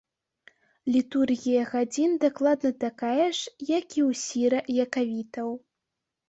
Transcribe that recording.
Літургія гадзін дакладна такая ж, як і ў сіра-якавітаў.